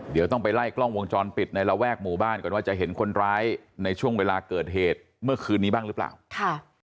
เดี๋ยวต้องไปไล่กล้องวงจรปิดในระแวกหมู่บ้านก่อนว่าจะเห็นคนร้ายในช่วงเวลาเกิดเหตุเมื่อคืนนี้บ้างหรือเปล่าค่ะ